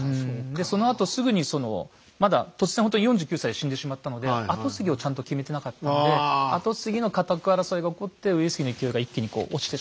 でそのあとすぐにまだ突然ほんとに４９歳で死んでしまったので跡継ぎをちゃんと決めてなかったので跡継ぎの家督争いが起こって上杉の勢いが一気に落ちてしまう。